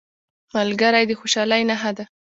ملګری د خوشحالۍ نښه ده